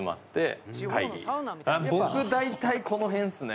僕大体この辺っすね。